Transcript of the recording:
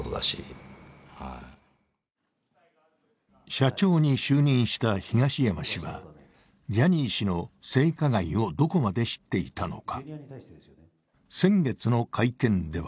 社長に就任した東山氏は、ジャニー氏の性加害をどこまで知っていたのか。